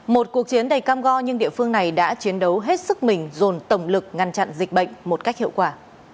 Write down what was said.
một cuộc chiến đầy cam go nhưng địa phương này đã chiến đấu hết sức mình dồn tổng lực ngăn chặn dịch bệnh một cách hiệu quả